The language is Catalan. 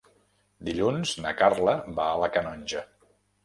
Dilluns na Carla va a la Canonja.